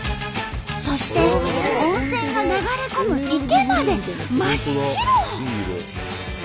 そして温泉が流れ込む池まで真っ白！